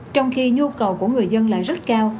trong khi nhu cầu của người dân lại rất cao